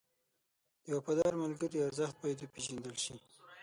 د وفادار ملګري ارزښت باید وپېژندل شي.